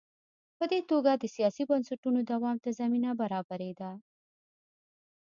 په دې توګه د سیاسي بنسټونو دوام ته زمینه برابرېده.